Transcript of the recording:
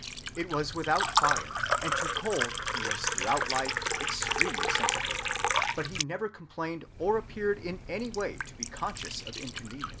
It was without fire, and to cold he was throughout life extremely sensitive; but he never complained or appeared in any way to be conscious of inconvenience.